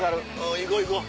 行こう行こう。